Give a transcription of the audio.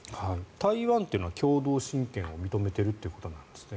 台湾というのは共同親権を認めてるということなんですね。